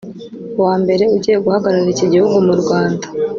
wa mbere ugiye guhagararira iki gihugu mu Rwanda